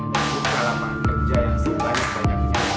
untuk kalangan kerja yang sebanyak banyaknya